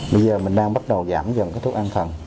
bây giờ mình đang bắt đầu giảm dần cái thuốc an thần